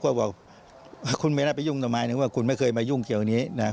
พ่อพ่อบอกคุณไม่ได้ไปยุ่งทำไมคุณไม่เคยมายุ่งเกี่ยวนี้